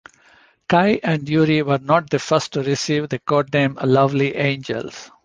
Kei and Yuri were not the first to receive the codename Lovely Angels.